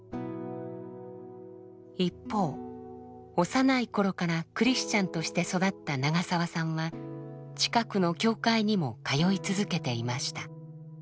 一方幼い頃からクリスチャンとして育った長澤さんは近くの教会にも通い続けていました。